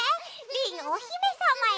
リンおひめさまよ。